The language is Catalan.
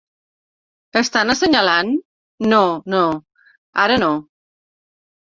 "Estan assenyalant?" No, no. Ara no.